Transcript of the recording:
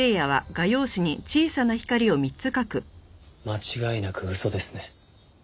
間違いなく嘘ですね。